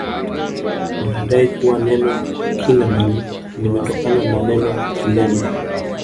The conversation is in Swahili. Wanadai kuwa neno kiileman limetokana na neno kileme